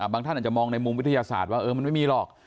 ท่านอาจจะมองในมุมวิทยาศาสตร์ว่ามันไม่มีหรอก